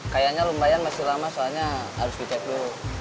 kayaknya lumayan masih lama soalnya harus di cek dulu